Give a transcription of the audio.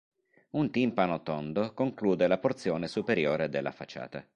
Un timpano tondo conclude la porzione superiore della facciata.